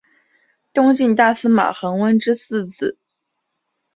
东晋大司马桓温之四子。